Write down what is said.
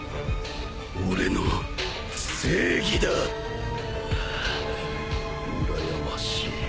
俺の正義だ！ハァうらやましいよ。